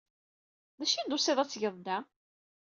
D acu ay d-tusiḍ ad t-tgeḍ da?